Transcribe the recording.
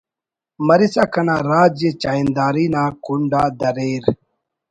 مرسا کنا راج ءِ چاہنداری نا کنڈ آ دریر